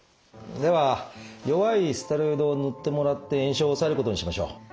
では弱いステロイドを塗ってもらって炎症を抑えることにしましょう。